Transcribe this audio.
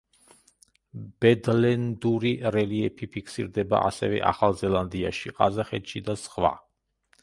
ბედლენდური რელიეფი ფიქსირდება ასევე ახალ ზელანდიაში, ყაზახეთში და სხვა.